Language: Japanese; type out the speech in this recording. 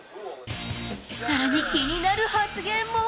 さらに気になる発言も。